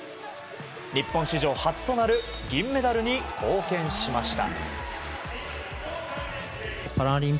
日本史上初となる銀メダルに貢献しました。